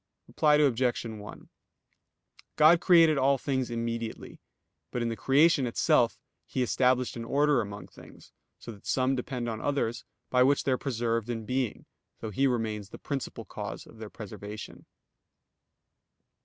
Reply Obj. 1: God created all things immediately, but in the creation itself He established an order among things, so that some depend on others, by which they are preserved in being, though He remains the principal cause of their preservation.